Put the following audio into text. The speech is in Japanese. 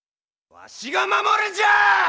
わしが守るんじゃあ！